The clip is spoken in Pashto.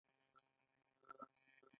سلیمان غر د افغانانو د ګټورتیا برخه ده.